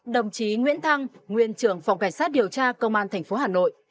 đồng chí nguyễn thăng nguyên trưởng phòng cảnh sát điều tra công an tp hà nội